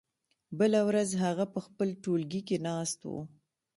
بله ورځ هغه په خپل ټولګي کې ناست و.